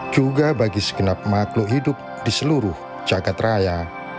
juga bagi segenap makhluk hidup di seluruh jagad raya